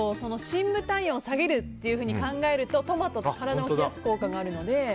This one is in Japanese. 深部体温を下げるっていうふうに考えると、トマトって体を冷やす効果があるので。